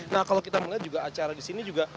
nah kalau kita melihat juga acara di sini juga